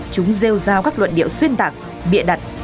chúng rêu ra các luận điệu xuyên tạc bịa đặt